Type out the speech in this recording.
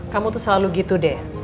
kamu tuh selalu gitu deh